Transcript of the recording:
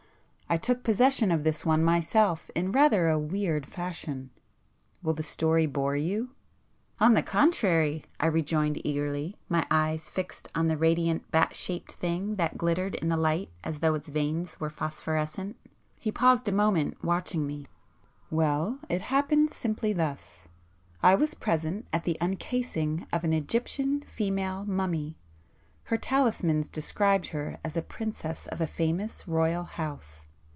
I took possession of this one myself in rather a weird fashion,—will the story bore you?" "On the contrary"—I rejoined eagerly, my eyes fixed on the radiant bat shaped thing that glittered in the light as though its veins were phosphorescent. He paused a moment, watching me. "Well,—it happened simply thus,—I was present at the uncasing of an Egyptian female mummy;—her talismans described her as a princess of a famous royal house.